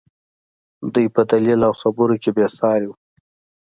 دى په دليل او خبرو کښې بې سارى و.